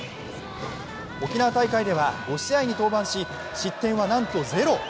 沖縄大会では５試合に登板し失点はなんとゼロ。